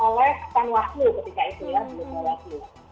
oleh tan wahlu ketika itu